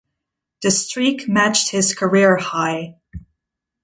The streak matched his career high.